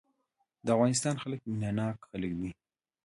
د افغانستان خلک مينه ناک خلک دي.